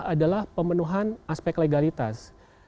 adalah pemenuhan aspek legalitas